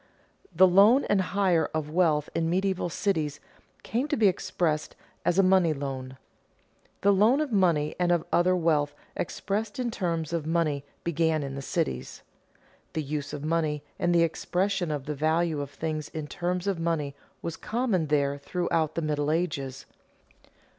The loan and hire of wealth in medieval cities came to be expressed as a money loan. The loan of money and of other wealth expressed in terms of money, began in the cities. The use of money and the expression of the value of things in terms of money was common there throughout the Middle Ages.